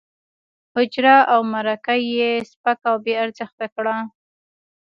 حجره او مرکه یې سپکه او بې ارزښته کړه.